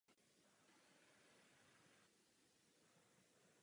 Elizabeth Banks bude film režírovat a Kay Cannon se vrátí jako scenárista.